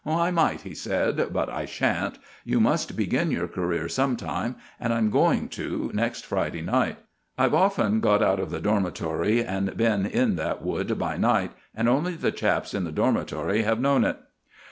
"I might," he said, "but I sha'n't. You must begin your career some time, and I'm going to next Friday night. I've often got out of the dormitory and been in that wood by night, and only the chaps in the dormitory have known it."